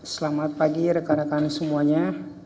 selamat pagi rekan rekan semuanya